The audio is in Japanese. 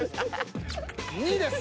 ２です。